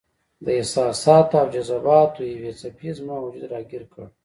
د احساساتو او جذباتو یوې څپې زما وجود راګیر کړ.